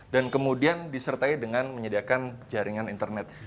dan kemudian disertai dengan menyediakan jaringan internet